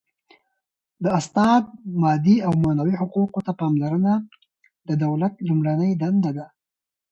د استاد مادي او معنوي حقوقو ته پاملرنه د دولت لومړنۍ دنده ده.